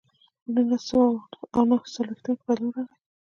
په نولس سوه او نهه څلوېښتم کې بدلون راغی.